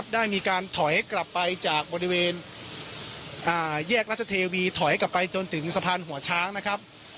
ได้มีการถอยกลับไปจากบริเวณแยกราชเทวีถอยกลับไปจนถึงสะพานหัวช้างนะครับ